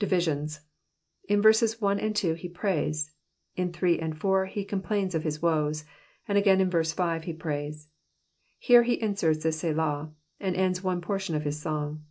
Divisions. — In verses 1 and 2 he prays, in 3 and 4 ?ie complains of kis XDoes, and again in verse 5 ke prays. Here he inserts a Selah, and ends one portion of kis song.